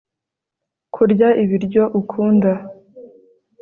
kurya ibiryo ukunda